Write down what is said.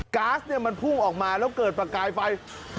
๊าซเนี่ยมันพุ่งออกมาแล้วเกิดประกายไฟ